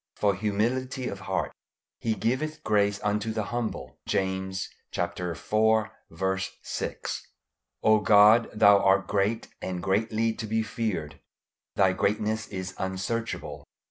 FOR HUMILITY OF HEART. "He giveth grace unto the humble." James iv. 6. O God, Thou art great and greatly to be feared. Thy greatness is unsearchable.